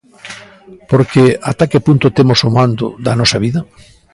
Porque, ata que punto temos o mando da nosa vida?